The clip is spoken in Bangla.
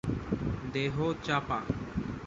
দেহ চাপা।